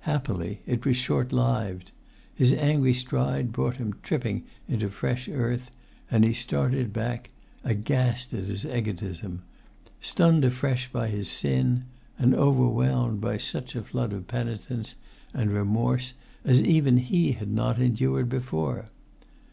Happily, it was short lived. His angry stride brought him tripping into fresh earth, and he started back, aghast at his egotism, stunned afresh by his sin, and overwhelmed by such a flood of penitence and remorse as even he had not endured before.